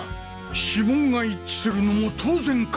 指紋が一致するのも当然か。